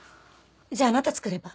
じゃああなた作れば？